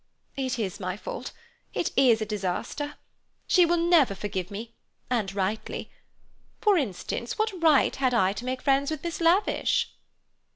"It is my fault, it is a disaster. She will never forgive me, and rightly. For instance, what right had I to make friends with Miss Lavish?"